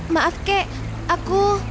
maaf kek aku